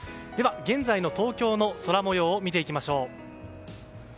では、現在の東京の空模様を見ていきましょう。